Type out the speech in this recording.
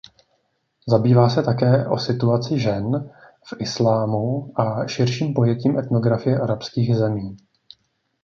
Zabývá se také o situací žen v islámu a širším pojetím etnografie arabských zemí.